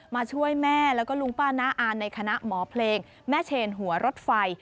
มาช่วยแม่แล้วก็ลุงป้าน้าอานในคณะหมอเพลงแม่เชนหัวรถไฟ